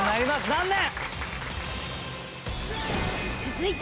残念！